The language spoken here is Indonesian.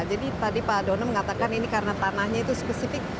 jadi tadi pak adona mengatakan ini karena tanahnya itu spesifik